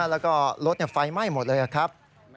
แล้วก็รถไฟไหม้หมดเลยครับ